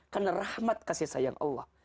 karena rahmat kasih sayang allah